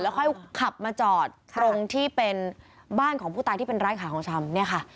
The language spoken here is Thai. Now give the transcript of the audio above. แล้วค่อยขับมาจอดตรงที่เป็นบ้านของผู้ตายที่เป็นร้านขายของชำ